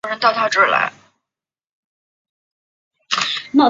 于是单独带着军队渡过黄河。